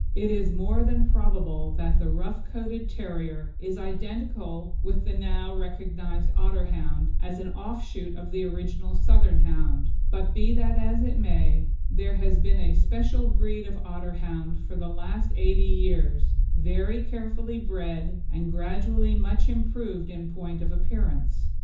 It is more than probable that the rough coated terrier is identical with the now recognised Otterhound as an offshoot of the Southern Hound; but be that as it may, there has been a special breed of Otterhound for the last eighty years, very carefully bred and gradually much improved in point of appearance.